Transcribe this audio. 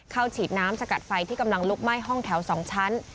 ฉีดน้ำสกัดไฟที่กำลังลุกไหม้ห้องแถว๒ชั้น